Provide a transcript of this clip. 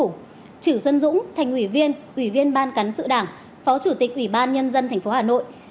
trử xuân dũng thành ủy viên ủy viên ban cán sự đảng phó chủ tịch ủy ban nhân dân tp hà nội